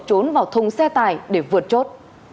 trốn vào thùng xe tải để vượt chốt